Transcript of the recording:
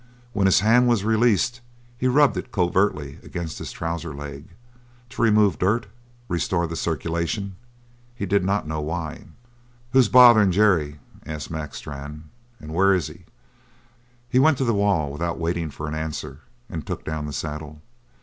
When his hand was released he rubbed it covertly against his trowser leg to remove dirt restore the circulation. He did not know why. "Who's bothering Jerry?" asked Mac Strann. "And where is he?" He went to the wall without waiting for an answer and took down the saddle.